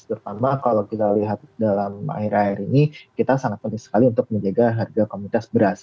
terutama kalau kita lihat dalam akhir akhir ini kita sangat penting sekali untuk menjaga harga komoditas beras